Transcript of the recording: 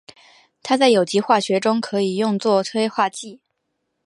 它在有机化学中可以用作催化剂。